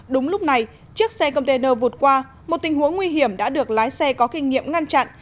đúng lúc này chiếc xe container vụt qua một tình huống nguy hiểm đã được lái xe có kinh nghiệm ngăn chặn